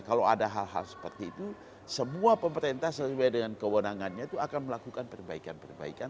kalau ada hal hal seperti itu semua pemerintah sesuai dengan kewenangannya itu akan melakukan perbaikan perbaikan